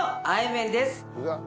麺です。